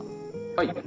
はい。